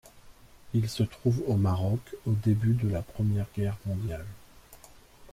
Il se trouve au Maroc au début de la première guerre mondiale.